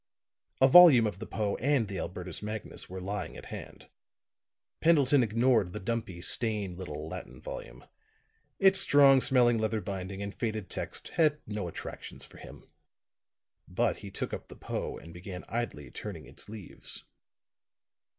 A volume of the Poe and the Albertus Magnus were lying at hand; Pendleton ignored the dumpy, stained little Latin volume; its strong smelling leather binding and faded text had no attractions for him. But he took up the Poe and began idly turning its leaves.